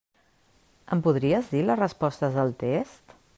Em podries dir les respostes del test?